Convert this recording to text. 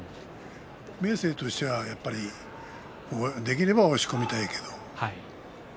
明生としてはできれば押し込みたいけど。